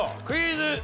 クイズ。